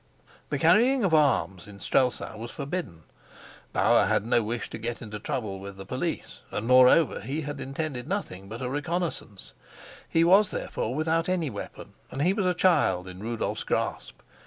The carrying of arms in Strelsau was forbidden. Bauer had no wish to get into trouble with the police, and, moreover, he had intended nothing but a reconnaissance; he was therefore without any weapon, and he was a child in Rudolf's grasp.